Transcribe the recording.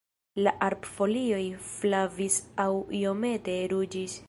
La arbfolioj flavis aŭ iomete ruĝis.